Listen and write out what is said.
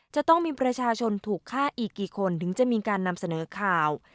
จะต้องมีประชาชนถูกฆ่าอีกกี่คนถึงจะมีการนำเสนอข่าว